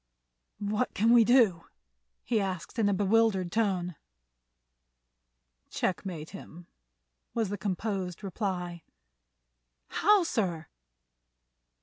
"What can we do?" he asked in a bewildered tone. "Checkmate him," was the composed reply. "How, sir?"